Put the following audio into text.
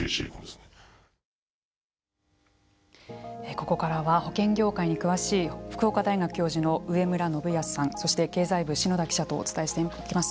ここからは保険業界に詳しい福岡大学教授の植村信保さんそして経済部篠田記者とお伝えしていきます。